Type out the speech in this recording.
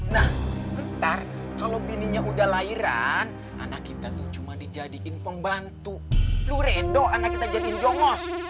nah ntar kalo bininya udah lahiran anak kita tuh cuma dijadikan pembantu lo redo anak kita jadiin jongos